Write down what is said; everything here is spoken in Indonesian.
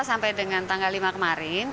sampai dengan tanggal lima kemarin